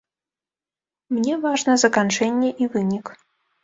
Мне важна заканчэнне і вынік.